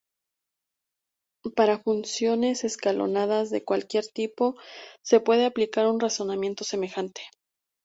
Para funciones escalonadas de cualquier tipo se puede aplicar un razonamiento semejante.